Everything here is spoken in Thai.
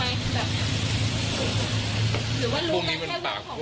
แบบหรือว่ารู้กว่าแค่ว่าของของ